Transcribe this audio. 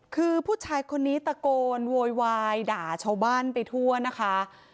คือผู้ชายคนนี้ตะโกนโวยวายด่าชาวบ้านไปทั่วนะคะ